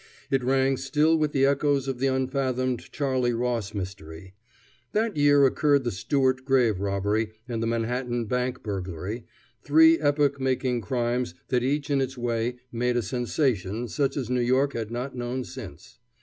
It rang still with the echoes of the unfathomed Charley Ross mystery. That year occurred the Stewart grave robbery and the Manhattan Bank burglary three epoch making crimes that each in its way made a sensation such as New York has not known since.